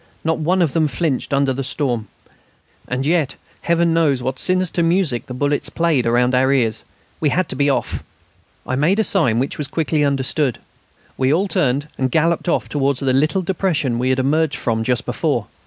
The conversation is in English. Not one of them flinched under the storm. And yet, Heaven knows what sinister music the bullets played around our ears! We had to be off. I made a sign which was quickly understood. We all turned and galloped off towards the little depression we had emerged from just before.